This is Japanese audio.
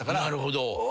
なるほど。